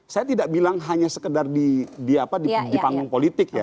saya tidak bilang hanya sekedar di panggung politik ya